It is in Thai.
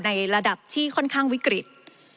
ในระดับที่ค่อนข้างวิกฤต